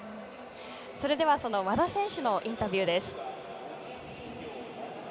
それでは和田選手のインタビューです。